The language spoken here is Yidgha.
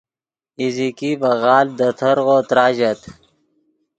ایزیکی ڤے غالڤ دے ترغو تراژت